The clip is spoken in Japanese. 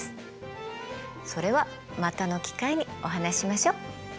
それはまたの機会にお話ししましょう。